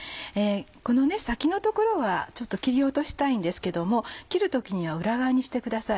この先の所は切り落としたいんですけども切る時には裏側にしてください。